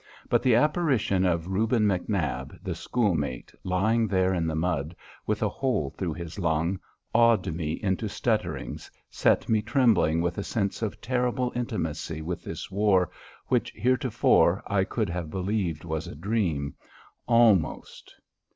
But the apparition of Reuben McNab, the schoolmate, lying there in the mud, with a hole through his lung, awed me into stutterings, set me trembling with a sense of terrible intimacy with this war which theretofore I could have believed was a dream almost.